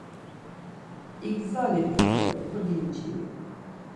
İgzali hekole, kodinciri!